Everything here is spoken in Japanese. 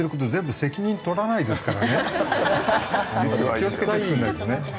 気を付けて作らないとね。